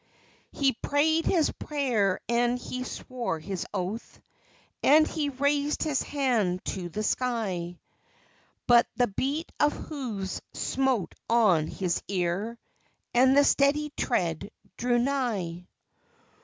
He prayed his prayer and he swore his oath, And he raised his hand to the sky; But the beat of hoofs smote on his ear, And the steady tread drew nigh.